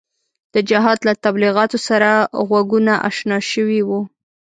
د جهاد له تبلیغاتو سره غوږونه اشنا شوي وو.